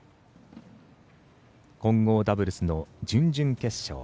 混合ダブルスの準々決勝。